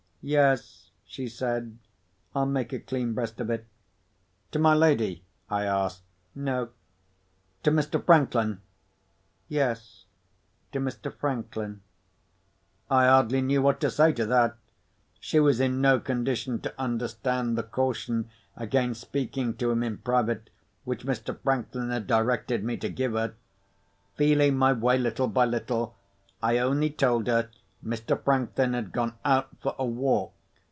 "Yes," she said, "I'll make a clean breast of it." "To my lady?" I asked. "No." "To Mr. Franklin?" "Yes; to Mr. Franklin." I hardly knew what to say to that. She was in no condition to understand the caution against speaking to him in private, which Mr. Franklin had directed me to give her. Feeling my way, little by little, I only told her Mr. Franklin had gone out for a walk.